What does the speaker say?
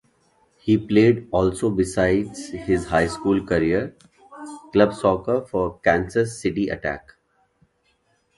He played also besides his High school career, club soccer for Kansas City Attack.